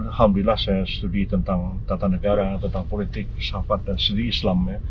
alhamdulillah saya sudah studi tentang tata negara tentang politik shafat dan studi islam